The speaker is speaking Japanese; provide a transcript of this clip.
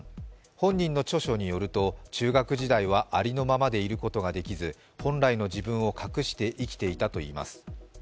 本人の著書によると、中学時代はありのままでいることができず、本来の自分を隠して生きていたといいます。